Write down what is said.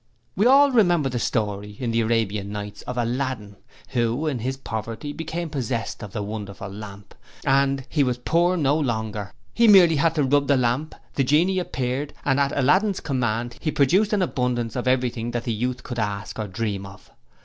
'We all remember the story, in The Arabian Nights, of Aladdin, who in his poverty became possessed of the Wonderful Lamp and he was poor no longer. He merely had to rub the Lamp the Genie appeared, and at Aladdin's command he produced an abundance of everything that the youth could ask or dream of.